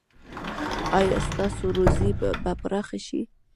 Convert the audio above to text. ایا ستاسو روزي به پراخه شي؟